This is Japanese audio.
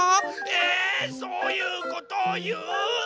えそういうことをいう？